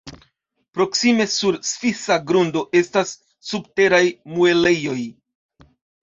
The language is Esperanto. Proksime sur svisa grundo estas Subteraj Muelejoj.